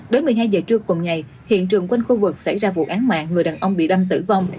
đến một mươi hai giờ trưa cùng ngày hiện trường quanh khu vực xảy ra vụ án mạng người đàn ông bị đâm tử vong